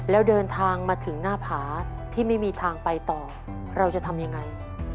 แล้วเดินทางมาถึงหน้าผาที่ไม่มีทางไปต่อเราจะทำยังไง